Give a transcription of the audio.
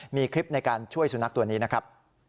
มีคลิปในการช่วยสุนัขตัวนี้นะครับ